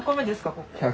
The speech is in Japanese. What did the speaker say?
ここ。